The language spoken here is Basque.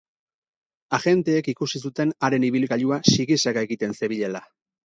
Agenteek ikusi zuten haren ibilgailua sigi-saga egiten zebilela.